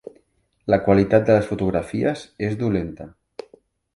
La qualitat de les fotografies és dolenta.